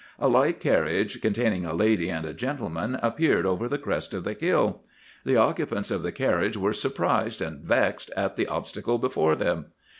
A light carriage containing a lady and gentleman appeared over the crest of the hill. The occupants of the carriage were surprised and vexed at the obstacle before them.